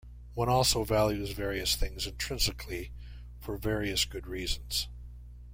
One also values various things intrinsically for various good reasons.